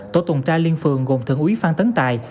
tổ tùng tra liên phường gồm thượng ý phan tấn tài